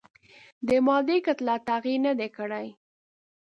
د مادې کتله تغیر نه دی کړی.